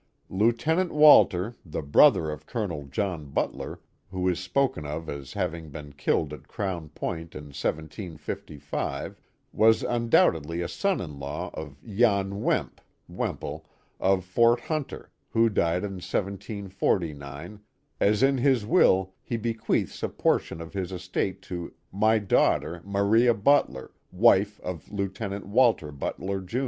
Lieutenant Walter, the brother of Colonel John Butler, who is spoken of as having been killed at Crown Point in 1755, was undoubtedly a son in law of Jan Wemp (Wemple) of Fort Hunter, who died in 1749, as in his will he bequeaths a por tion of his estate to my daughter, Maria Butler, wife of Lieutenant Walter Butler, Jr.